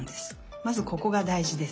まずここがだいじです。